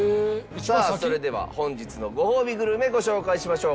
さあそれでは本日のごほうびグルメご紹介しましょう。